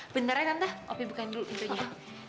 bentar ya tante opi bukain dulu pintunya